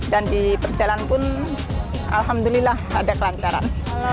dan di perjalanan pun alhamdulillah ada kelancaran